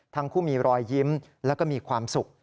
ทั้งคู่มีรอยยิ้มแล้วก็มีความสุข